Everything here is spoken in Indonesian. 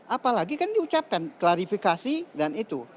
apalagi kan diucapkan klarifikasi dan itu